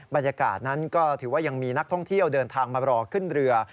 บรรยากาศนั้นก็ถือว่ายังมีนักท่องเที่ยวเดินทางมารอขึ้นเรือ